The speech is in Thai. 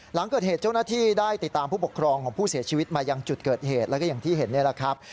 หลังเกิดเหตุเจ้าหน้าที่ได้ติดตามผู้ปกครองของผู้เสียชีวิตมายังจุดเกิดเหตุแล้วก็อย่างที่เห็นนี่แหละครับ